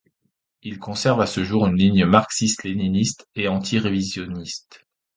Il conserve à ce jour une ligne marxiste-léniniste et anti-révisionniste.